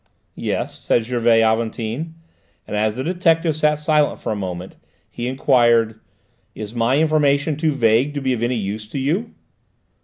"Yes," said Gervais Aventin, and, as the detective sat silent for a moment, he enquired: "Is my information too vague to be of any use to you?"